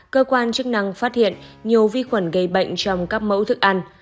cơ quan chức năng phát hiện nhiều vi khuẩn gây bệnh trong các mẫu thức ăn